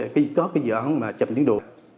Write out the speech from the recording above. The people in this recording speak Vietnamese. khi có cái dự án mà chậm tiến độ